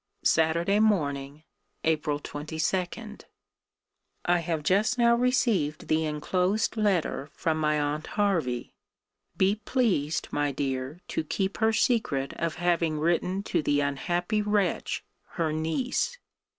] SAT. MORN. APRIL 22. I have just now received the enclosed from my aunt Hervey. Be pleased, my dear, to keep her secret of having written to the unhappy wretch her niece.